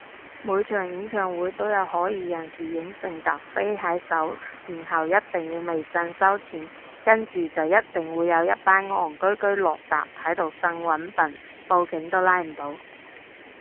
每場演唱會都有可疑人士影成疊飛喺手然後一定要微信收錢，跟住就一定會有一班戇居居落疊喺度呻搵笨，報警都拉唔到